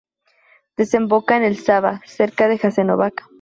Desemboca en el Sava, cerca de Jasenovac.